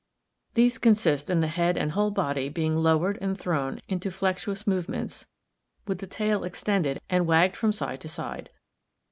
These consist in the head and whole body being lowered and thrown into flexuous movements, with the tail extended and wagged from side to side.